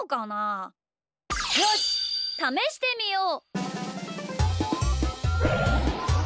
よしためしてみよう！